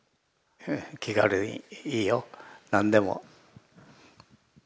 気軽にいいよ何でも。